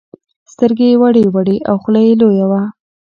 سترگې يې وړې وړې او خوله يې لويه وه.